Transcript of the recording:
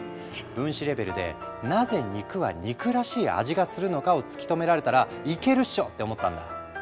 分子レベルでなぜ肉は肉らしい味がするのかを突き止められたらいけるっしょ！って思ったんだ。